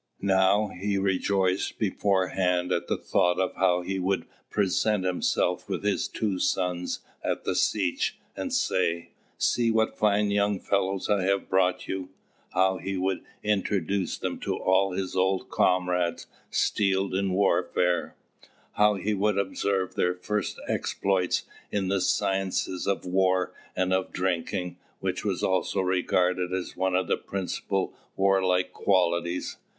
Now he rejoiced beforehand at the thought of how he would present himself with his two sons at the Setch, and say, "See what fine young fellows I have brought you!" how he would introduce them to all his old comrades, steeled in warfare; how he would observe their first exploits in the sciences of war and of drinking, which was also regarded as one of the principal warlike qualities.